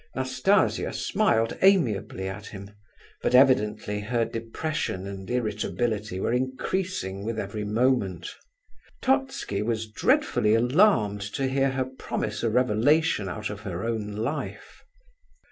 Nastasia smiled amiably at him; but evidently her depression and irritability were increasing with every moment. Totski was dreadfully alarmed to hear her promise a revelation out of her own life.